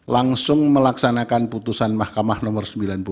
langsung melaksanakan putusan mahkamah nomor sembilan puluh delapan